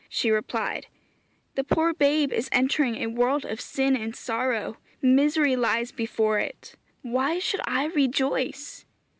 She replied, 'The poor babe is entering a world of sin and sorrow; misery lies before it. Why should I rejoice?'